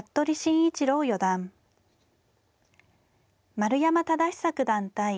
丸山忠久九段対